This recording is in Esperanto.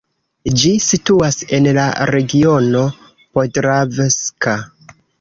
Ĝi situas en la Regiono Podravska.